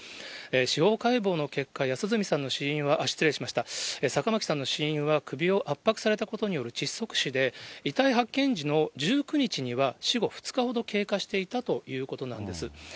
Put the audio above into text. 司法解剖の結果、安栖さんの死因は、失礼しました、坂巻さんの死因は首を圧迫されたことによる窒息死で、遺体発見時の１９日には死後２日ほど経過していたということなんです。